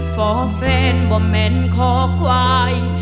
ฟอเฟรนด์ว่าแม่นคอกไหว